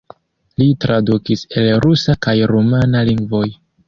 Li tradukis el rusa kaj rumana lingvoj.